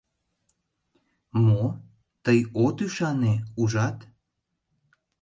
— Мо, тый от ӱшане, ужат?